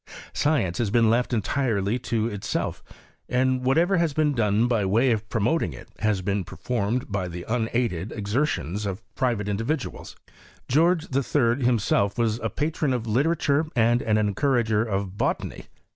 Science has been left entirely to itself; and whatever has been done by way of pro moting it has been performed by the unaided ex ertions of private individuals. George III, himself was a patron of literature and an encourager of botany.